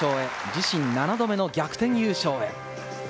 自身７度目の逆転優勝へ。